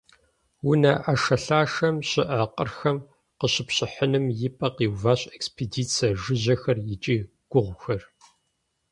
Унэ ӏэшэлъашэм щыӏэ къырхэм къыщыпщыхьыным и пӏэ къиуващ экспедицэ жыжьэхэр икӏи гугъухэр.